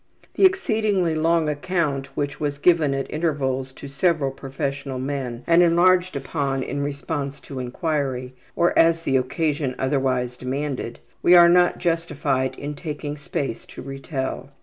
The exceedingly long account which was given at intervals to several professional men and enlarged upon in response to inquiry, or as the occasion otherwise demanded, we are not justified in taking space to retell.